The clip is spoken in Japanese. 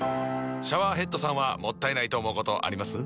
シャワーヘッドさんはもったいないと思うことあります？